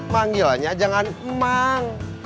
manggilannya jangan emang